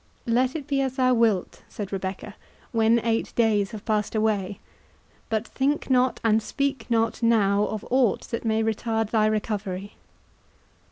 "Let it be as thou wilt," said Rebecca, "when eight days have passed away; but think not, and speak not now, of aught that may retard thy recovery."